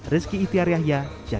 rizky itiar yahya jatimun